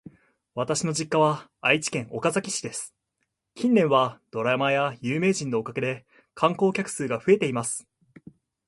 私の実家は愛知県岡崎市です。近年はドラマや有名人のおかげで観光客数が増えています。